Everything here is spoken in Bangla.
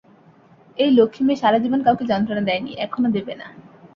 এই লক্ষ্মী মেয়ে সারাজীবন কাউকে যন্ত্রণা দেয় নি, এখনো দেবে না।